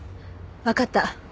わかった。